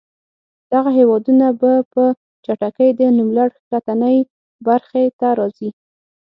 دغه هېوادونه به په چټکۍ د نوملړ ښکتنۍ برخې ته راځي.